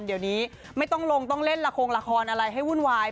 เดี๋ยวนี้ไม่ต้องลงต้องเล่นละครละครอะไรให้วุ่นวาย